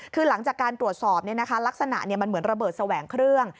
คือหลังจากการตรวจสอบลักษณะมันเหมือนระเบิดแสวงเครื่อง